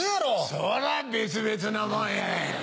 そら別々のもんや。